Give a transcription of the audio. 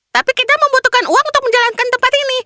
tapi kita membutuhkan uang untuk menjalankan tempat ini